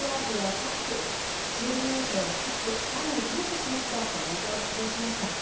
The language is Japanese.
チームメートやスタッフ、ファンに感謝しますと、コメントを発表しました。